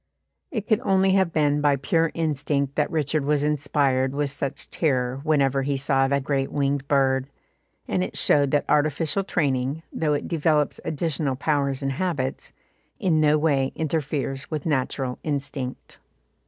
It could only have been by pure instinct that Richard was inspired with such terror whenever he saw the great winged bird, and it showed that artificial training, though it develops additional powers and habits, in no way interferes with natural instinct.